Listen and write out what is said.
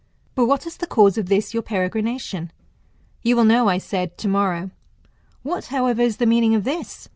But what is the cause of this your peregrination ? You will know, I said, tomorrow. What, however, is the meaning of this